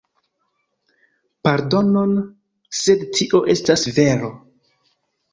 Pardonon, sed tio estas vero.